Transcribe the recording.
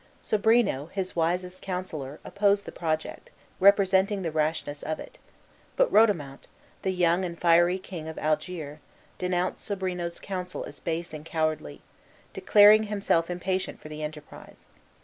Sobrino, his wisest councillor, opposed the project, representing the rashness of it; but Rodomont, the young and fiery king of Algiers, denounced Sobrino's counsel as base and cowardly, declaring himself impatient for the enterprise.